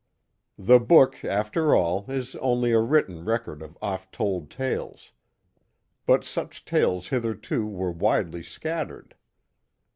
The book, after all, is only a written record of oft told tales. But such tales hitherto were widely scattered.